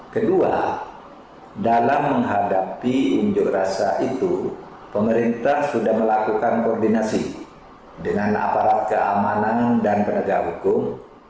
kedua dalam menghadapi unjuk rasa itu pemerintah sudah melakukan koordinasi dengan aparat keamanan dan penegak hukum